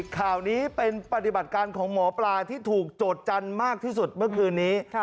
ข่าวนี้เป็นปฏิบัติการของหมอปลาที่ถูกโจทยจันทร์มากที่สุดเมื่อคืนนี้